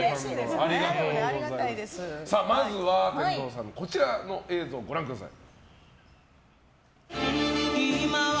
まずは、天童さんのこちらの映像をご覧ください。